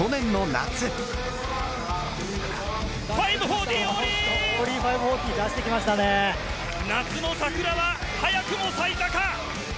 夏の桜は早くも咲いたか？